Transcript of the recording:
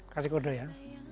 kasih kode ya